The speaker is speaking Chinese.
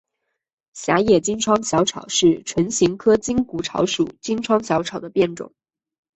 狭叶金疮小草是唇形科筋骨草属金疮小草的变种。